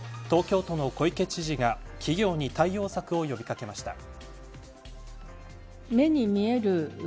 東京都の小池都知事が企業に対応策を呼び掛けました。